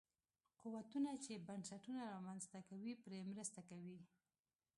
قوتونه چې بنسټونه رامنځته کوي پرې مرسته کوي.